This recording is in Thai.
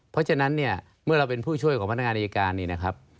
เพราะฉะนั้นเนี่ยเมื่อเราเป็นผู้ช่วยของพนักงานอายการเนี่ยนะครับ